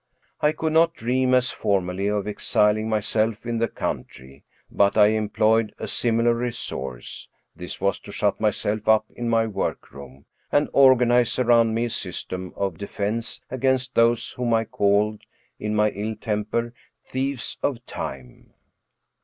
I could not dream, as formerly, of exiling myself in the country, but I employed a similar resource : this was to shut myself up in my workroom, and organize around me a system of defense against those whom I called, in my ill temper, thieves of time.